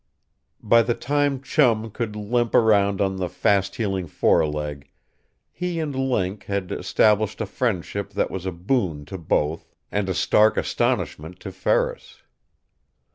By the time Chum could limp around on the fasthealing foreleg, he and Link had established a friendship that was a boon to both and a stark astonishment to Ferris.